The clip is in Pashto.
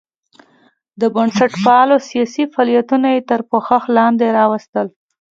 د بنسټپالو سیاسي فعالیتونه یې تر پوښښ لاندې راوستل.